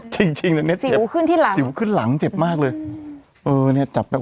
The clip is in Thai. จริงจริงเลยเน็ตสิวขึ้นที่หลังสิวขึ้นหลังเจ็บมากเลยเออเนี้ยจับแบบ